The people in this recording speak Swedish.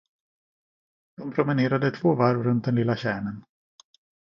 De promenerade två varv runt den lilla tjärnen.